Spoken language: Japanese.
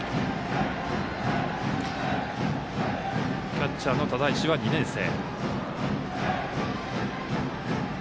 キャッチャーの只石は２年生。